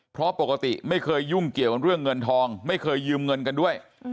เพราะปกติไม่เคยยุ่งเกี่ยวกับเรื่องเงินทองไม่เคยยืมเงินกันด้วย